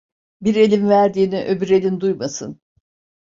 Bir elin verdiğini, öbür elin duymasın.